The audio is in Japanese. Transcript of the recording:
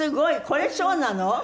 これそうなの！？